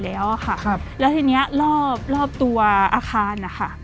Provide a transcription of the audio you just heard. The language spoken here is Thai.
แล้วทีนี้รอบตัวอาคาร